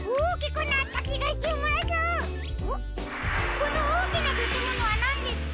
このおおきなたてものはなんですか？